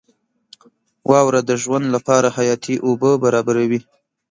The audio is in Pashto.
• واوره د ژوند لپاره حیاتي اوبه برابروي.